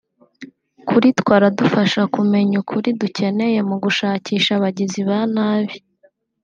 kuri twe aradufasha kumenya ukuri dukeneye mu gushakisha abagizi ba nabi”